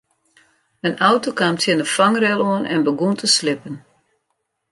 In auto kaam tsjin de fangrail oan en begûn te slippen.